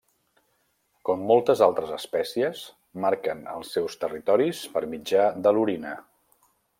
Com moltes altres espècies, marquen els seus territoris per mitjà de l'orina.